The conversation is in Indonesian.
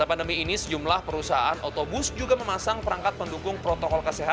pada pandemi ini sejumlah perusahaan otobus juga memasang perangkat pendukung protokol kesehatan